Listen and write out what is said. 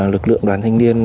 lực lượng đoàn thanh niên